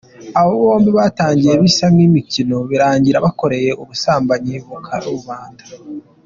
Aba bombi batangiye bisa nk'imikino birangira bakoreye ubusambanyi ku karubanda.